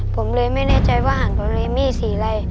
ผมเลยไม่แน่ใจว่าหันโดเรมี่สีอะไร